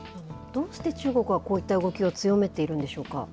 どうして中国はこういった動きを強めているんでしょうか。